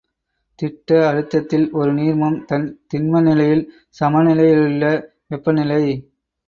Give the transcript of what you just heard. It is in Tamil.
திட்ட அழுத்தத்தில் ஒரு நீர்மம் தன் திண்ம நிலையில் சமநிலையிலுள்ள வெப்பநிலை.